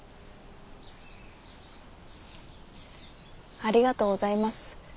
ありがとうございます。